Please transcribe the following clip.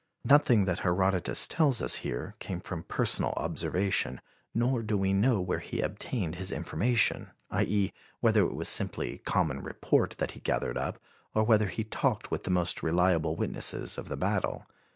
Nothing that Herodotus tells us here came from personal observation, nor do we know where he obtained his information, i. e., whether it was simply common report that he gathered up, or whether he talked with the most reliable witnesses of the battle.